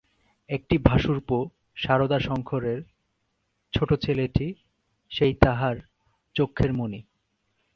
একটি ভাশুরপো, শারদাশংকরের ছোটো ছেলেটি, সেই তাহার চক্ষের মণি।